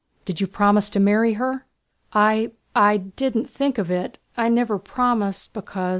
"Did you promise to marry her?" "I... I didn't think of it. I never promised, because..."